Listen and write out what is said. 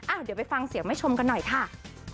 เดี๋ยวไปฟังเสียงแม่ชมกันหน่อยค่ะ